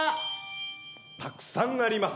たくさんあります。